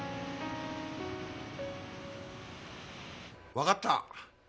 わかった。